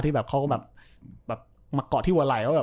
ที่เขาก็แบบมาเกาะที่วลัย